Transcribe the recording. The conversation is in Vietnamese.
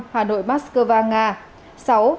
năm hà nội maskova nga